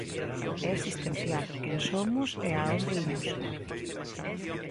E existencial: quen somos e a onde imos.